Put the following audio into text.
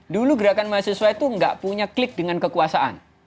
dulu gerakan mahasiswa itu nggak punya klik dengan kekuasaan